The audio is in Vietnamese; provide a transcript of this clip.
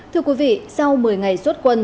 thưa quý vị sau một mươi ngày xuất quân